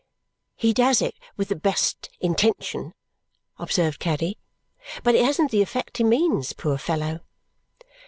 "He does it with the best intention," observed Caddy, "but it hasn't the effect he means, poor fellow!"